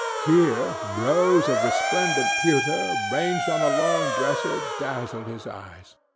Here rows of resplendent pewter, ranged on a long dresser, dazzled his eyes.